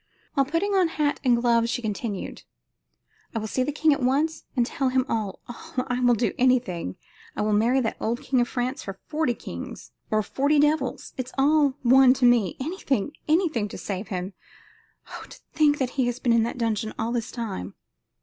While putting on hat and gloves she continued: "I will see the king at once and tell him all! all! I will do anything; I will marry that old king of France, or forty kings, or forty devils; it's all one to me; anything! anything! to save him. Oh! to think that he has been in that dungeon all this time."